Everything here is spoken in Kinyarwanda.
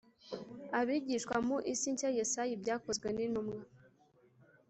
abigishwa mu isi nshya Yesaya Ibyakozwe nintumwa